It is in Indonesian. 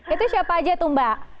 itu siapa aja tuh mbak